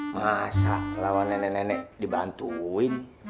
masa lawan nenek nenek dibantuin